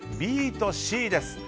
ＢとＣです。